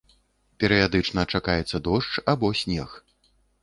Перыядычны чакаецца дождж або снег.